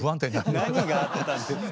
何があったんですか。